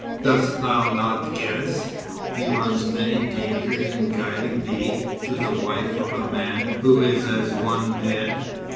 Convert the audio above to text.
"Dost thou not guess, he runs many dangers in guiding thee to the wife of a man who is as one dead?